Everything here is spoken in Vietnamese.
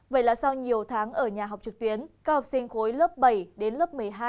vậy là sau nhiều tháng ở nhà học trực tuyến các học sinh khối lớp bảy đến lớp một mươi hai